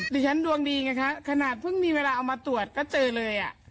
ดวงฉันดวงดีไงคะขนาดเพิ่งมีเวลาเอามาตรวจก็เจอเลยอ่ะ